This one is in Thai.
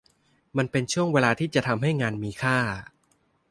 มันเป็นช่วงเวลาที่จะทำให้งานมีค่า